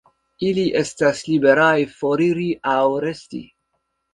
Ili estas liberaj foriri aŭ resti.